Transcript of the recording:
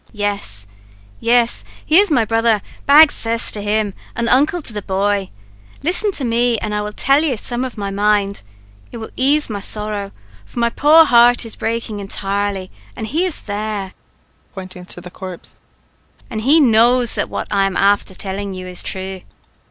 "Yes yes he is my brother, bad cess to him! and uncle to the bhoy. Listen to me, and I will tell you some of my mind. It will ease my sorrow, for my poor heart is breaking entirely, and he is there," pointing to the corpse, "and he knows that what I am afther telling you is thrue.